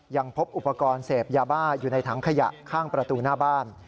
ยังพบอุปกรณ์เสพยาบ้าอยู่ในถังขยะข้างประตูหน้าบ้าน